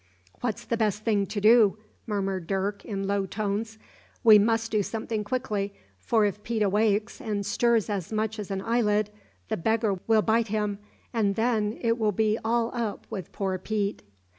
"`What's the best thing to do?' murmured Dirk in low tones. `We must do something quickly, for if Pete awakes and stirs as much as an eyelid the beggar will bite him, and then it will be all up with poor Pete.'